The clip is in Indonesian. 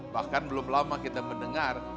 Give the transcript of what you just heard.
bahkan belum lama kita mendengar